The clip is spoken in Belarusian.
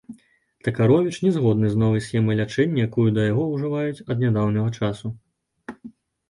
Такаровіч не згодны з новай схемай лячэння, якую да яго ўжываюць ад нядаўняга часу.